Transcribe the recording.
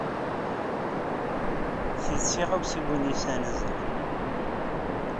Ti d tiɣawsiwin ay yesɛan azal.